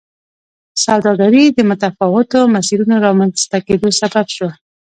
سوداګري د متفاوتو مسیرونو د رامنځته کېدو سبب شوه.